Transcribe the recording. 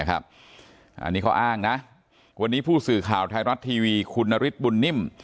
อันนี้เขาอ้างนะวันนี้ผู้สื่อข่าวไทยรัฐทีวีคุณนฤทธิบุญนิ่ม